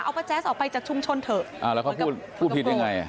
เอาป้าแจ๊สออกไปจากชุมชนเถอะอ่าแล้วเขาพูดพูดผิดยังไงอ่ะ